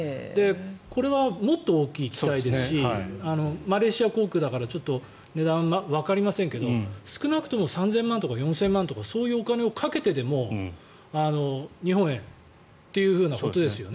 これはもっと大きい機体ですしマレーシア航空だからちょっと値段がわかりませんが少なくとも３０００万とか４０００万とかそういうお金をかけてでも日本へということですよね。